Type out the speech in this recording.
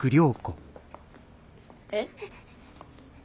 えっ。